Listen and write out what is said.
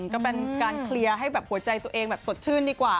ก็เป็นการเคลียร์ให้แบบหัวใจตัวเองแบบสดชื่นดีกว่า